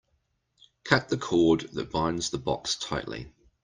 Cut the cord that binds the box tightly.